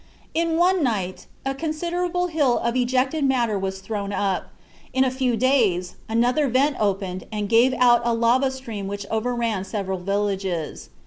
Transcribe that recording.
In one night a considerable hill of ejected matter was thrown up; in a few days another vent opened and gave out a lava stream which overran several villages.